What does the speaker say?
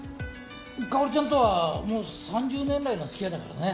香織ちゃんとはもう３０年来の付き合いだからね。